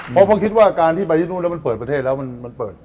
เพราะผมคิดว่าการที่ไปที่นู่นแล้วมันเปิดประเทศแล้วมันเปิด